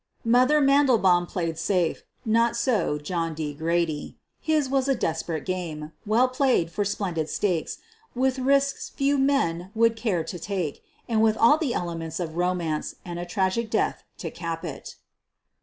"Mother" Mandelbaum "played safe." Not so John D. Grady. His was a desperate game, well played for splendid stakes, with risks few men would care to take, and with all the elements of romance and a tragic death to cap it.